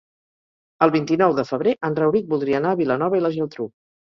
El vint-i-nou de febrer en Rauric voldria anar a Vilanova i la Geltrú.